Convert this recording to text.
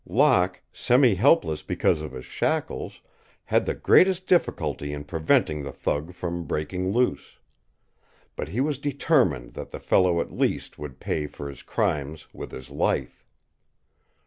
Locke, semi helpless because of his shakles, had the greatest difficulty in preventing the thug from breaking loose. But he was determined that the fellow at least would pay for his crimes with his life.